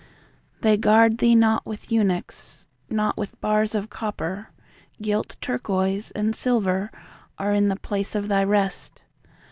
They guard thee not with eunuchs; Not with bars of copper. Gilt turquoise and silver are in the place of thy rest.